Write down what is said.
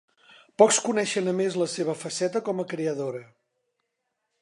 Pocs coneixen a més la seva faceta com a creadora.